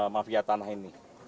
mafia tanah ini